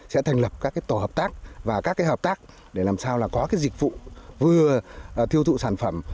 sẽ thành lập các cái tổ hợp tác và các cái hợp tác để làm sao là có cái dịch vụ vừa thiêu thụ sản phẩm